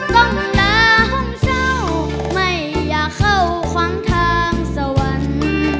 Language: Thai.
กล้องหน้าห้องเศร้าไม่อยากเข้าขวางทางสวรรค์